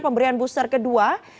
pemberian booster kedua